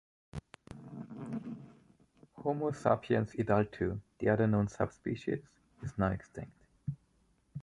"Homo sapiens idaltu", the other known subspecies, is now extinct.